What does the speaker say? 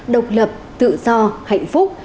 độc lập tự do hạnh phúc